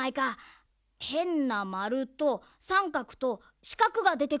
へんなまるとさんかくとしかくがでてくる。